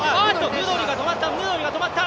ヌドリが止まった、ヌドリが止まった！